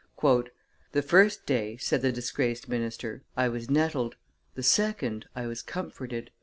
"The first day," said the disgraced minister, "I was nettled; the second, I was comforted."